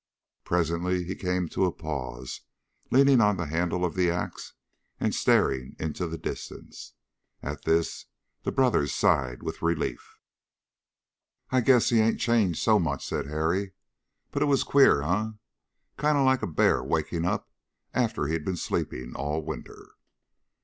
Presently he came to a pause, leaning on the handle of the ax and staring into the distance. At this the brothers sighed with relief. "I guess he ain't changed so much," said Harry. "But it was queer, eh? Kind of like a bear waking up after he'd been sleeping all winter!"